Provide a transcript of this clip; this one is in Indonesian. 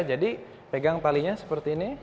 jadi pegang talinya seperti ini